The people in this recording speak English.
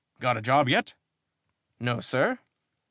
Got a job yet?" "No, sir."